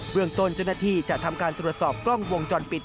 เบื้องตนจนที่จะทำการตรวจสอบกล้องวงจรปิด